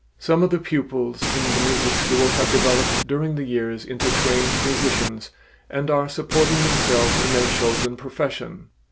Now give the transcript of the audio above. Some of the pupils in the music school have developed during the years into trained musicians and are supporting themselves in their chosen profession.